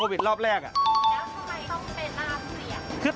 ทำไมต้องเป็นราพเสียบ